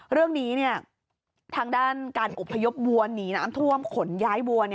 เรื่องนี้ทางด้านการอบพยพวัวหนีน้ำท่วมขนย้ายวัว